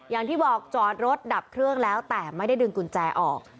อย่างที่บอกจอดรถดับเครื่องแล้วแต่ไม่ได้ดึงกุญแจออก